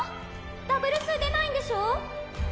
ダブルス出ないんでしょ？